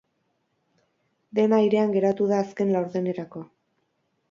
Dena airean geratu da azken laurdenerako.